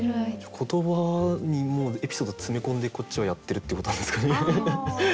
言葉にもうエピソード詰め込んでこっちはやってるっていうことなんですかね。